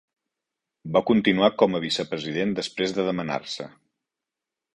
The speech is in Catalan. Va continuar com a vicepresident després de demanar-se.